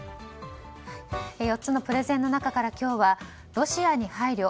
４つのプレゼンの中から今日はロシアに配慮